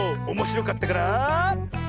おもしろかったから。